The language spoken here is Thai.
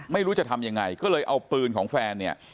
ไม่รู้จะทำยังไงก็เลยเอาปืนของแฟนเนี่ย